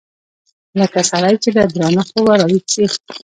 لکه سړى چې له درانه خوبه راويښ سي.